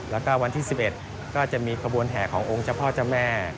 แล้วก็วันที่๑๑ก็จะมีขบวนแห่ขององค์เจ้าพ่อเจ้าแม่